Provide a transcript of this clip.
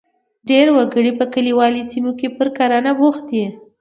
ډېری وګړي په کلیوالي سیمو کې پر کرنه بوخت دي.